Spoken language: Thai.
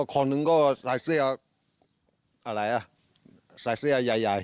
คนหนึ่งก็ใส่เสื้ออะไรใส่เสื้อใหญ่